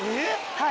はい。